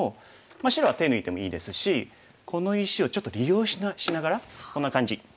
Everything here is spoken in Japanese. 白は手抜いてもいいですしこの石をちょっと利用しながらこんな感じ。